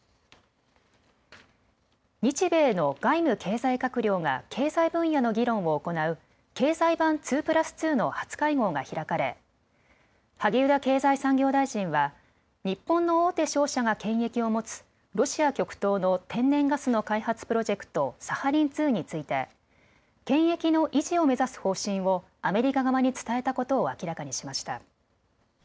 日米の外務、経済閣僚が経済分野の議論を行う経済版２プラス２の初会合が開かれ、萩生田経済産業大臣は日本の大手商社が権益を持つロシア極東の天然ガスの開発プロジェクト、サハリン２について権益の維持を目指す方針をアメリカ側に伝えたことを明らかにしました。